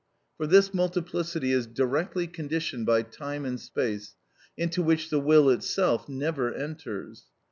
For this multiplicity is directly conditioned by time and space, into which the will itself never enters.